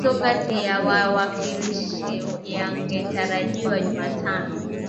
Mazungumzo kati ya wawakilishi yangetarajiwa Jumatano